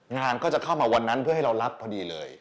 งานก็จะเข้ามาวันนั้นเพื่อให้เรารับพอดีเลย